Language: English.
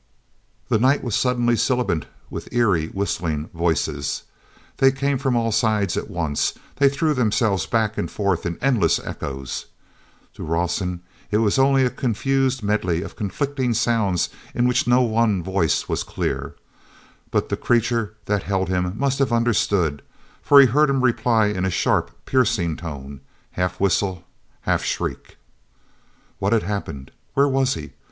The night was suddenly sibilant with eery, whistling voices. They came from all sides at once; they threw themselves back and forth in endless echoes. To Rawson it was only a confused medley of conflicting sounds in which no one voice was clear. But the creature that held him must have understood, for he heard him reply in a sharp, piercing tone, half whistle, half shriek. hat had happened? Where was he?